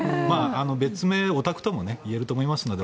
別名オタクともいえると思いますので。